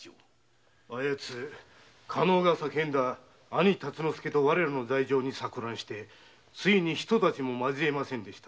あやつ加納が叫んだ兄・達之助と我らの罪状に錯乱して遂にひと太刀も交えませんでした。